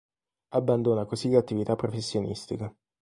Abbandona così l'attività professionistica.